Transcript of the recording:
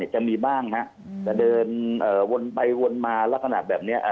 จะมีบ้างฮะจะเดินวนไปวนมาลักษณะแบบนี้